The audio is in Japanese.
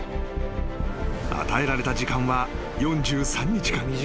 ［与えられた時間は４３日間。